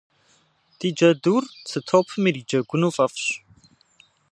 Ди джэдур цы топым ириджэгуну фӏэфӏщ.